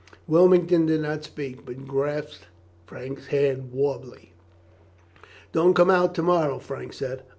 Wilmington did not speak, but grasped Frank's hand warmly. "Don't come out to morrow," Frank said.